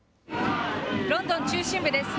ロンドン中心部です。